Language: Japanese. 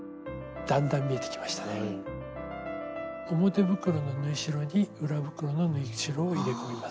表袋の縫い代に裏袋の縫い代を入れ込みます。